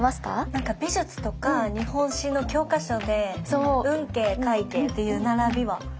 何か美術とか日本史の教科書で運慶快慶っていう並びは何となく。